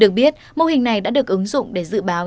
được biết mô hình này đã được ứng dụng để dự báo